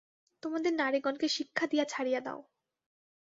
তোমাদের নারীগণকে শিক্ষা দিয়া ছাড়িয়া দাও।